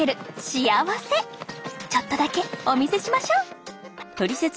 幸せちょっとだけお見せしましょう！